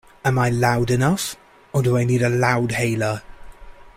Am I loud enough, or do I need a loudhailer?